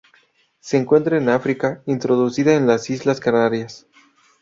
Se encuentra en África, introducida en las Islas Canarias.